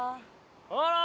あら！